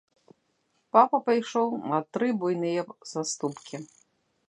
Папа пайшоў на тры буйныя саступкі.